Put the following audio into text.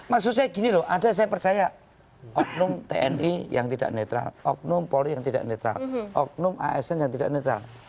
maksud saya gini loh ada saya percaya oknum tni yang tidak netral oknum polri yang tidak netral oknum asn yang tidak netral